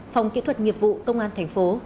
phòng kỹ thuật nghiệp vụ công an thành phố